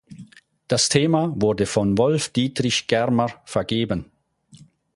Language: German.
Das Thema wurde von Wolf-Dietrich Germer vergeben.